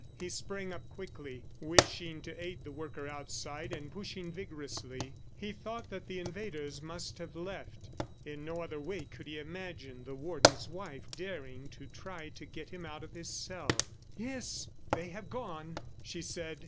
He sprang up quickly, wishing to aid the worker outside, and pushing vigorously. He thought that the invaders must have left. In no other way could he imagine the Warden's wife daring to try to get him out of his cell. "Yes, they have gone," she said.